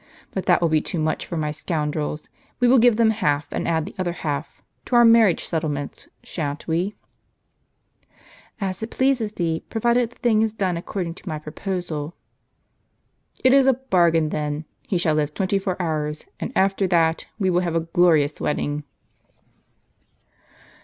But that will be too much for my scoundrels. We will give them half, and add the other half — to our marriage settlements, shan't we ?"" As it pleases thee, provided the thing is done according to my iDroposal." " It is a bargain, then. He shall live twenty four hours ; and after that, we will have a glorious wedding."